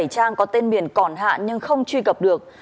bảy mươi bảy trang có tên biển còn hạn nhưng không truy cập được